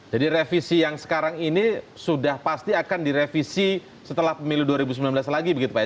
jadi revisi yang sekarang ini sudah pasti akan direvisi setelah pemilu dua ribu sembilan belas lagi begitu pak ya